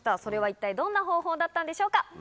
それは一体どんな方法だったんでしょうか？